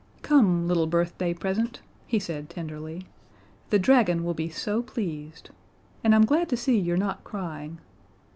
"Come, little birthday present," he said tenderly. "The dragon will be so pleased. And I'm glad to see you're not crying.